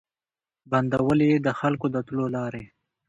بندولې یې د خلکو د تلو لاري